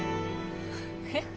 え？